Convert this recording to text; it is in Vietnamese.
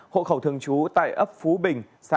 hộ khẩu thường trú tại ấp phú bình xã phú nhân